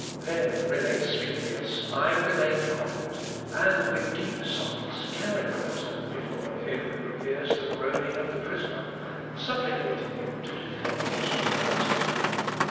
"Then," relates Zuinglius, "I remained quiet, and with deep sighs carried the matter before Him who hears the groaning of the prisoner, supplicating him to defend His own gospel."